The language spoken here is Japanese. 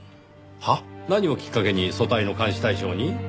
は？何をきっかけに組対の監視対象に？